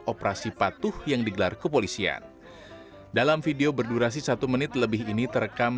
operasi patuh yang digelar kepolisian dalam video berdurasi satu menit lebih ini terekam